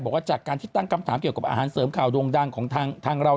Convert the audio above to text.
บอกว่าจากการที่ตั้งคำถามเกี่ยวกับอาหารเสริมข่าวโด่งดังของทางเรา